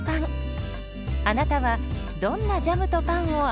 あなたはどんなジャムとパンを合わせますか？